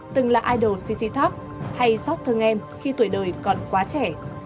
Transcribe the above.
từng là idol sissy talk hay sót thương em khi tuổi đời còn quá trẻ